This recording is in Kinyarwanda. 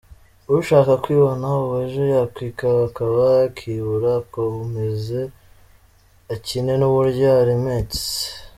Ushaka kwibona ubu ejo yakwikabakaba akibura akomeze akine n’uburyo aremetse.